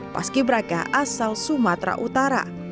paski braka asal sumatera utara